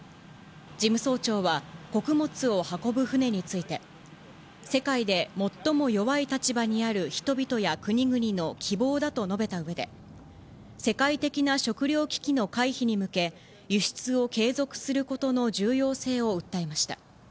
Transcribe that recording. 事務総長は穀物を運ぶ船について、世界で最も弱い立場にある人々や国々の希望だと述べたうえで、世界的な食料危機の回避に向け、輸出を継続することの重要性を訴えました。